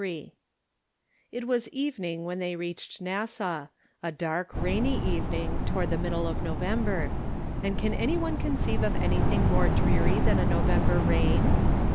23, It was evening when tliey reached Nassaw — a dark, rainy evening, toward the middle of No vember ; and can any one conceive of anything more dreary than a November rain